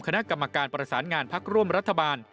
คณะกรรมการประสานงานพักร่วมรัฐบาล